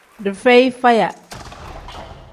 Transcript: Dii feyi faya.